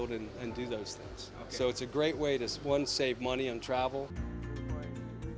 jadi ini adalah cara yang bagus untuk pertama menurunkan uang dalam perjalanan